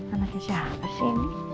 anaknya siapa sih ini